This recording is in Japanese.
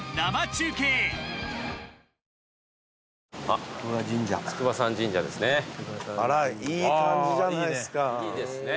あらいい感じじゃないですか。